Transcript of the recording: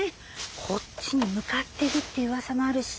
こっちに向かってるっていう噂もあるし。